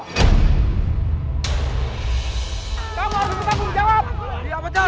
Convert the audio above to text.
kamu harus tetap menjawab